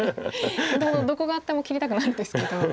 もともとどこがあっても切りたくなるんですけど。